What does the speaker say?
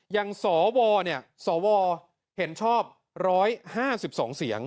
อย่างสวเนี่ยสวเห็นชอบ๑๕๒เสียง